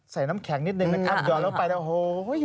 ใส่น้ำแข็งนิดนึงนะครับยอดแล้วไปแล้วโห้ย